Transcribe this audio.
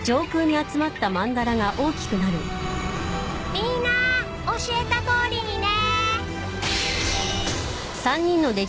みんな教えたとおりにね。